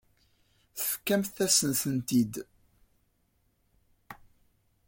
Tefkamt-asen-tent-id.